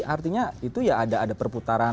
artinya itu ya ada perputaran